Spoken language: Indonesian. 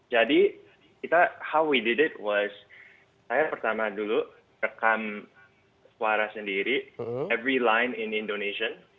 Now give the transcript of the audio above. jadi kita cara kita melakukannya adalah saya pertama dulu rekam suara sendiri setiap lintas di indonesia